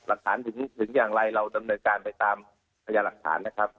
หลักฐานถึงอย่างไรเราดำเนินการไปตามพยาหลักฐานนะครับ